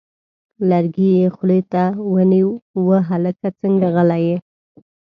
لرګی یې خولې ته ونیوه: وه هلکه څنګه غلی یې!؟